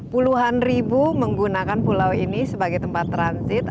puluhan ribu menggunakan pulau ini sebagai tempat transit